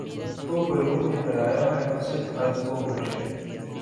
خوبرویوں نے بنایا ہے اسد بد خو مجھے